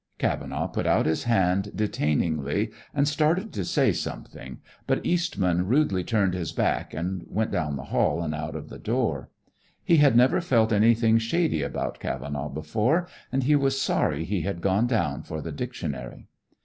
Cavenaugh put out his hand detainingly and started to say something; but Eastman rudely turned his back and went down the hall and out of the door. He had never felt anything shady about Cavenaugh before, and he was sorry he had gone down for the dictionary.